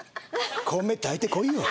「米炊いてこいよ」